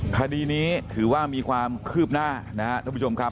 คดีนี้ถือว่ามีความคืบหน้านะครับท่านผู้ชมครับ